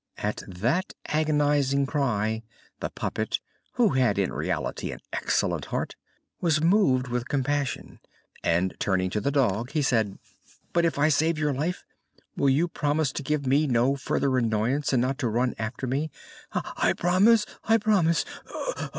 At that agonizing cry the puppet, who had in reality an excellent heart, was moved with compassion, and, turning to the dog, he said: "But if I save your life, will you promise to give me no further annoyance, and not to run after me?" "I promise! I promise!